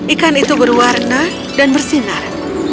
ikan itu berwarna dan bersinar